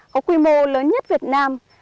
có quy mô lớn nhất việt nam